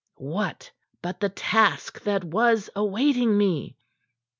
What but the task that was awaiting me?